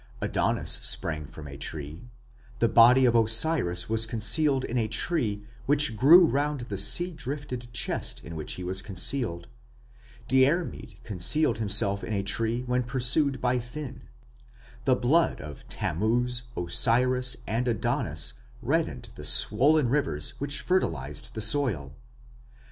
Adonis sprang from a tree; the body of Osiris was concealed in a tree which grew round the sea drifted chest in which he was concealed. Diarmid concealed himself in a tree when pursued by Finn. The blood of Tammuz, Osiris, and Adonis reddened the swollen rivers which fertilized the soil.